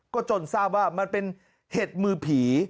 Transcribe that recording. ก็จนทราบว่ามันเป็นเห็ดมือผี